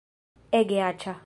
Ege aĉa